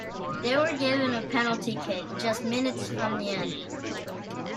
They were given a penalty kick just minutes from the end.